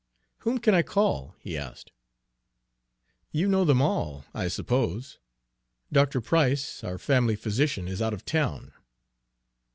"Whom can I call?" he asked. "You know them all, I suppose. Dr. Price, our family physician, is out of town."